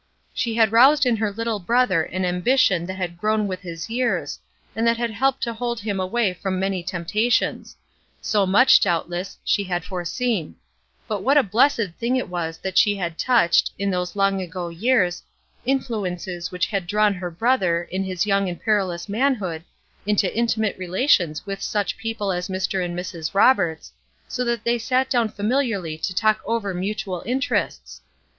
She had roused in her little brother an ambition that had grown with his years, and that had helped to hold him away from many temptations: so much, doubtless, she had foreseen; but what a blessed thing it was that she had touched, in those long ago years, influences which had drawn her brother, in his young and perilous manhood, into intimate relations with such people as Mr. and Mrs. Roberts, so that they sat down familiarly to talk over mutual interests!